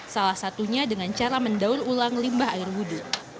salah satunya dengan cara mendaur ulang limbah air wudhu